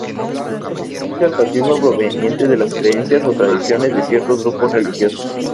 Es el racismo proveniente de las creencias o tradiciones en ciertos grupos religiosos.